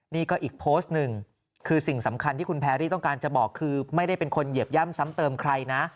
นี่ก็อีกโพสต์หนึ่งคือสิ่งสำคัญที่คุณแพรรี่ต้องการจะบอกคือไม่ได้เป็นคนเหยียบย่ำซ้ำเติมใครนะ